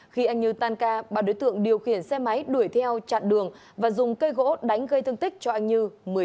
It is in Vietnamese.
khi anh như tan ca ba đối tượng điều khiển xe máy đuổi theo chặn đường và dùng cây gỗ đánh gây thương tích cho anh như một mươi tám